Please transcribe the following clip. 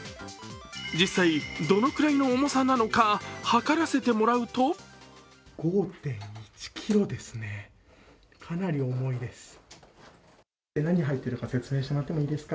実際、どのくらいの重さなのか量らせてもらうと５．１ｋｇですね、かなり重いです。